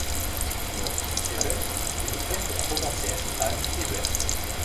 Maurice Hébert est le père de la romancière Anne Hébert.